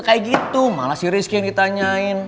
kayak gitu malah si rizky yang ditanyain